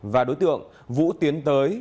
và đối tượng vũ tiến tới